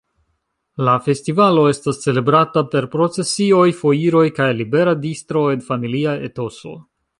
La festivalo estas celebrata per procesioj, foiroj kaj libera distro en familia etoso.